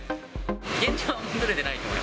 現状は戻れてない。